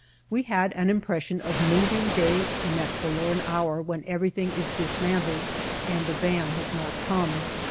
We had an impression of moving day in that forlorn hour vs^hen everything is disman tled and the van has not come.